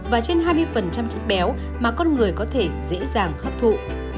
và trên hai mươi chất béo mà con người có thể dễ dàng hấp thụ